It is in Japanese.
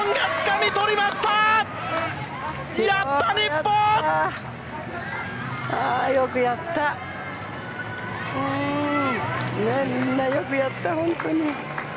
みんなよくやった、本当に。